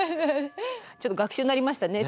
ちょっと学習になりましたね。